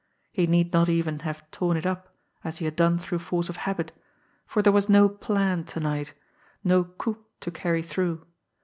He need not even have torn it up, as he had done through force of habit, for there was no "plan" to night, no coup to carry through.